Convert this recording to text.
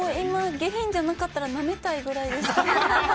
下品じゃなかったら舐めたいぐらいです。